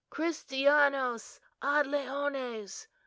"Christianos ad leones!"